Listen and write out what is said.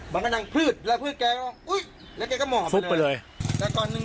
บางกระดังพืชแล้วพืชแกก็อุ๊ยแล้วแกก็หม่อไปเลย